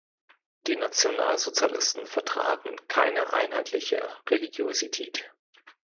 Die Nationalsozialisten vertraten keine einheitliche Religiosität.